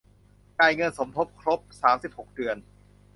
จ่ายเงินสมทบครบ สามสิบหก เดือน